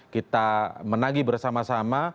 kita menagi bersama sama